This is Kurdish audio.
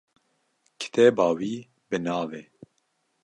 Kitêba wî bi navê